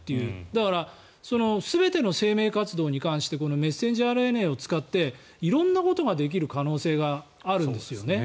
だから、全ての生命活動に関してメッセンジャーＲＮＡを使って色んなことができる可能性があるんですよね。